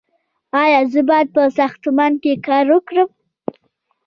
ایا زه باید په ساختمان کې کار وکړم؟